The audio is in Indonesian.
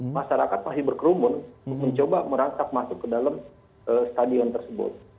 masyarakat masih berkerumun untuk mencoba merangsak masuk ke dalam stadion tersebut